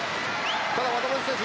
ただ、渡辺選手